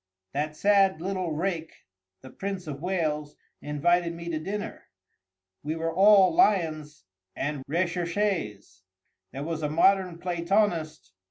—That sad little rake, the Prince of Wales, invited me to dinner. We were all lions and recherchés. There was a modern Platonist.